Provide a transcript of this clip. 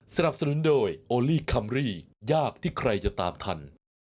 สนับสนุนโดยโอลี่คัมรี่ยากที่ใครจะตามทัน